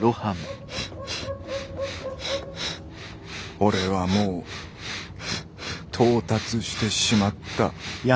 「オレはもう到達してしまった」。